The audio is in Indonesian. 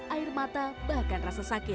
air mata bahkan rasa sakit